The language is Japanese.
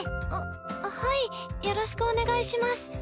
あっはいよろしくお願いします。